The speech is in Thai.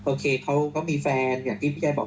โอเคเขาก็มีแฟนอย่างที่พี่แกบอก